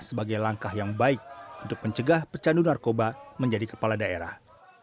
sebagai langkah yang baik untuk mencegah pecandu narkoba menjadi kepala daerah